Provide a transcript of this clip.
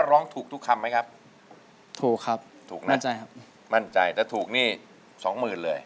ร้องได้หรือว่าร้องผิด